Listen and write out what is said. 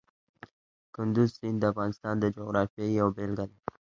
کندز سیند د افغانستان د جغرافیې یوه بېلګه ده.